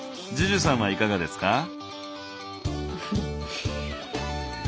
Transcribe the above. ＪＵＪＵさんはいかがですか？